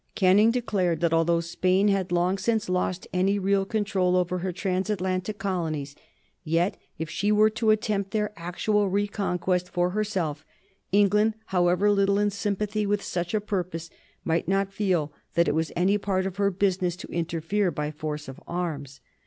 Canning declared that, although Spain had long since lost any real control over her transatlantic colonies, yet if she were to attempt their actual reconquest for herself England, however little in sympathy with such a purpose, might not feel that it was any part of her business to interfere by force of arms.